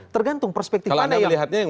tergantung perspektif mana yang